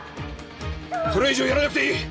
それ以上やらなくていい。